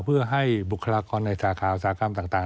เพื่อให้บุคลากรในสาขาอุตสาหกรรมต่าง